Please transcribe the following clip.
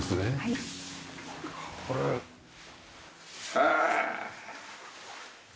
へえ。